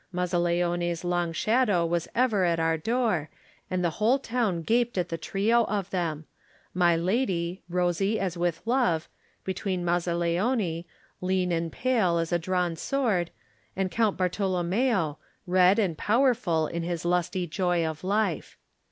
Mazzaleone's long shadow was ever at our door and the whole town gaped at the trio of them — ^my lady, rosy as with love, between Mazzaleone, lean and pale as a drawn sword, and Count Bartolonuneo, red and powerful in his lusty joy of life.